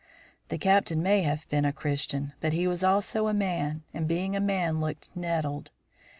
The Captain may have been a Christian, but he was also a man, and, being a man, looked nettled.